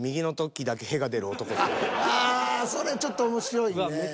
ああそれちょっと面白いね。